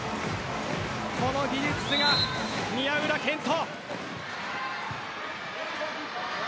この技術が宮浦健人。